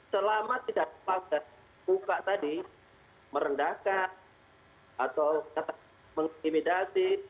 selama tidak tepat buka tadi merendahkan atau mengintimidasi